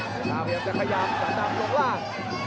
เมค่าเหมือนจะขยับแต่ตามตรงล่าง